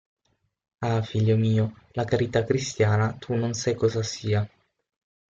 Ah, figlio mio, la carità cristiana tu non sai cosa sia!